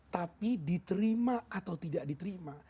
tapi diterima atau tidak diterima